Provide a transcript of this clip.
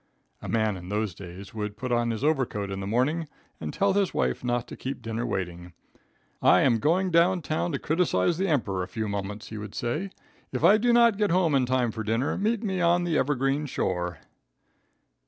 A man in those days, would put on his overcoat in the morning and tell his wife not to keep dinner waiting. "I am going down town to criticise the Emperor a few moments," he would say. "If I do not get home in time for dinner, meet me on the 'evergreen shore.'"